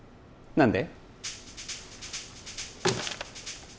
何で？